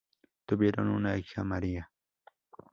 Tuvieron una hija, Maria.